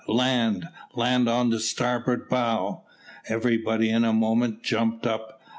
land! land on the starboard bow!" Everybody in a moment jumped up.